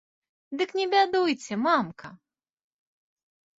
Дык не бядуйце, мамка!